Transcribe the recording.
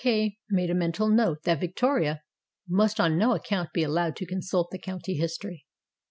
Kay made a mental note that Victoria must on no account be allowed to consult the county history.